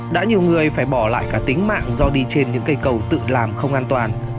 đã nhiều người phải bỏ lại cả tính mạng do đi trên những cây cầu tự làm không an toàn